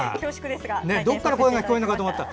どこから声が聞こえるのかと思ったら。